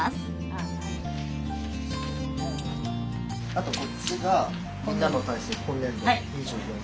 あとこっちが「みんなの体操」今年度２４万円。